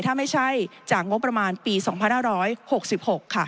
ถ้าไม่ใช่จากงบประมาณปี๒๕๖๖ค่ะ